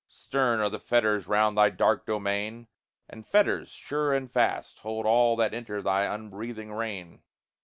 Stern are the fetters round thy dark domain, And fetters, sure and fast, Hold all that enter thy unbreathing reign.